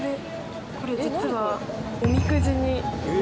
これ実はおみくじになってて。